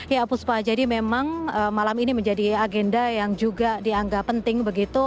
ya puspa jadi memang malam ini menjadi agenda yang juga dianggap penting begitu